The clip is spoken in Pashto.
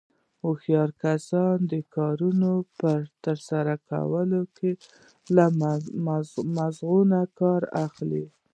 هوښیار کسان د کارنو په ترسره کولو کې له مغزو نه کار اخلي.